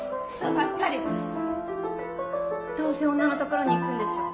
どうせ女のところに行くんでしょ。